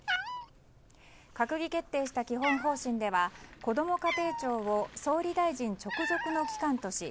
閣議決定した基本方針ではこども家庭庁を総理大臣直属の機関とし